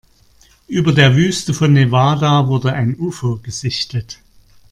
Über der Wüste von Nevada wurde ein Ufo gesichtet.